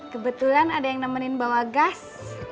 kebetulan ada yang nemenin bawa gas